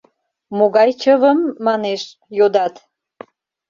— Могай чывым, манеш, йодат?